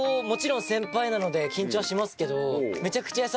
もちろん先輩なので緊張はしますけど。